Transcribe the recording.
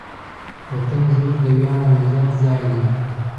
وطن زموږ د ویاړ او عزت ځای دی.